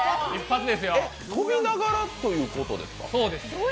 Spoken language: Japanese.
飛びながらということですか。